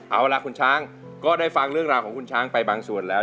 เอาล่ะคุณช้างก็ได้ฟังเรื่องราวของคุณช้างไปบางส่วนแล้ว